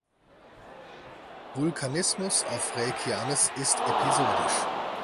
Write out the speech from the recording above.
Vulkanismus auf Reykjanes ist episodisch.